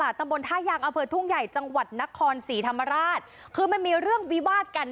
สบายจังนะนางพลอย